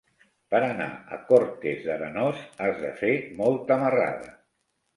Per anar a Cortes d'Arenós has de fer molta marrada.